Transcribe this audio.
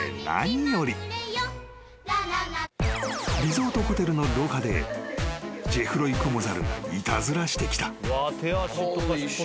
［リゾートホテルの廊下でジェフロイクモザルがいたずらしてきた］